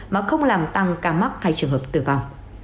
mà không làm tăng ca mắc hay trường hợp tử vong